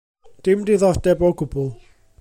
Dim diddordeb o gwbl.